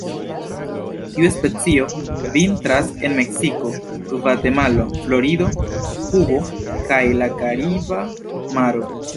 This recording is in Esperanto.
Tiu specio vintras en Meksiko, Gvatemalo, Florido, Kubo kaj la Kariba Maro.